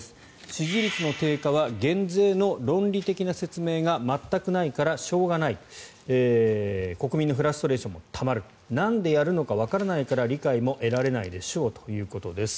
支持率の低下は減税の論理的な説明が全くないからしょうがない国民のフラストレーションもたまるなんでやるのかわからないから理解も得られないでしょうということです。